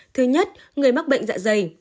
thứ nhất người mắc bệnh dạ dày